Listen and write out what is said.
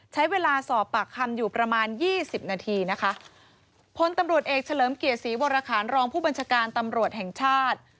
ใช้เวลาสอบปากคำอยู่ประมาณยี่สิบนาทีนะคะพลตำรวจเอกเฉลิมเกียรติศรีวรคารรองผู้บัญชาการตำรวจแห่งชาติ